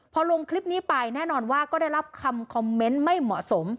พอลงคลิปนี้ไปแน่นอนว่าก็ได้รับคำคอมเมนต์ไม่เหมาะสม